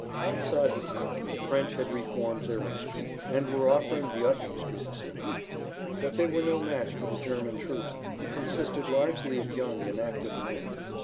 Outside the town the French had reformed their ranks, and were offering the utmost resistance. But they were no match for the German troops who consisted largely of young and active men.